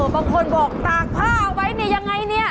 บางคนบอกตากผ้าเอาไว้นี่ยังไงเนี่ย